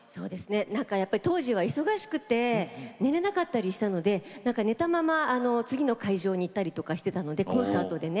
当時は忙しくて寝られなかったりしたので寝たまま次の会場に行ったりしていたので、コンサートの。